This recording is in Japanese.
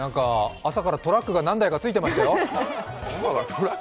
朝からトラックが何台か着いてましたよ。